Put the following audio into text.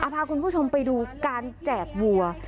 พาคุณผู้ชมไปดูการแจกวัว